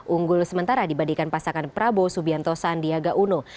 unggul sementara dibandingkan pasangan prabowo subianto sandiaga uno